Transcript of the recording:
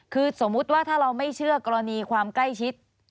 คือสมมุติว่าถ้าเราไม่เชื่อกรณีความใกล้ชิด